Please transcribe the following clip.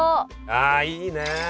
ああいいね。